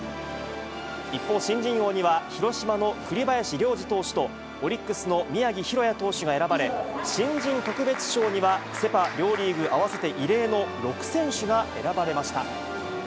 一方、新人王には、広島の栗林良吏投手と、オリックスの宮城大弥投手が選ばれ、新人特別賞にはセ・パ両リーグ合わせて異例の６選手が選ばれました。